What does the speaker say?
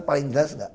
paling jelas gak